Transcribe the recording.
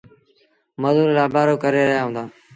مزور لآبآرو ڪري رهيآ هُݩدآ۔